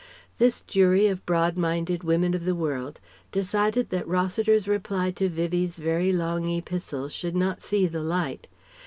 This jury of broad minded women of the world decided that Rossiter's reply to Vivie's very long epistle should not see the light.